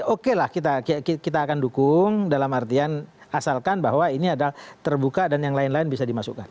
oke lah kita akan dukung dalam artian asalkan bahwa ini ada terbuka dan yang lain lain bisa dimasukkan